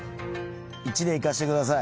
１でいかせてください。